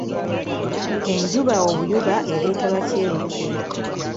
Enjuba obuyuba ereeta ba kyeruppe.